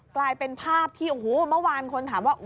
กลายเป็นภาพที่โอ้โหเมื่อวานคนถามว่า